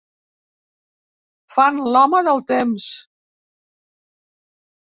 Fan l'home del temps.